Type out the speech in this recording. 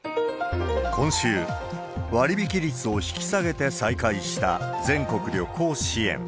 今週、割引率を引き下げて再開した全国旅行支援。